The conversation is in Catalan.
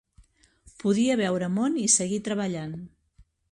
Podia veure món i seguir treballant.